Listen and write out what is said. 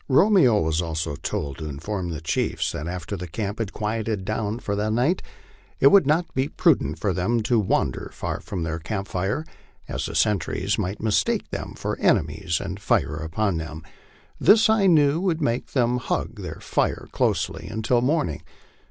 Romeo was also told to inform the chiefs that after the camp had quieted down for the night, it would not be prudent for them to wander far from their camp tire, as the sentries might mistake them for ene mies and fire upon them. This I knew would make them hug their fire closely until morning.